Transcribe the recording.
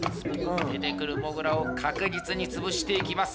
出てくるもぐらを確実に潰していきます。